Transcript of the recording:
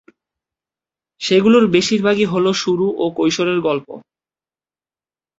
সেগুলোর বেশিরভাগই হল শুরু ও কৈশোরের গল্প।